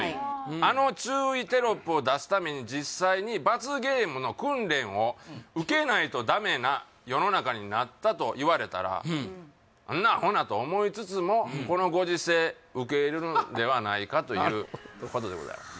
あの注意テロップを出すために実際に罰ゲームの訓練を受けないとダメな世の中になったと言われたらそんなアホなと思いつつもこのご時世受け入れるのではないかということでございます